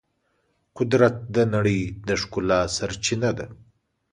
قدرت د نړۍ د ښکلا سرچینه ده.